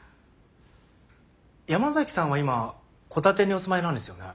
山崎さんは今戸建てにお住まいなんですよね。